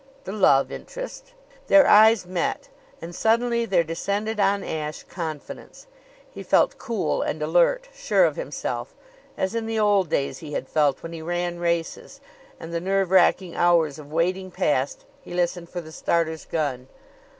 "The love interest." Their eyes met and suddenly there descended on Ashe confidence. He felt cool and alert, sure of himself, as in the old days he had felt when he ran races and, the nerve racking hours of waiting past, he listened for the starter's gun.